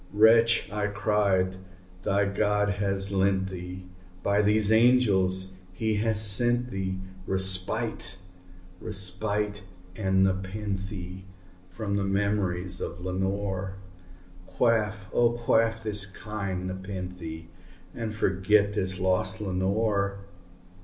"Wretch," I cried, "thy God hath lent thee by these angels he hath sent thee Respite respite aad nepenthé from thy memories of Lenore! Quaff, oh quaff this kind nepenthé, and forget this lost Lenore!"